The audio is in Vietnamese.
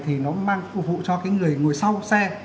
thì nó mang phục vụ cho cái người ngồi sau xe